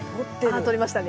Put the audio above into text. ああ取りましたね